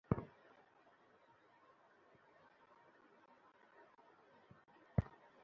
Hello, hello.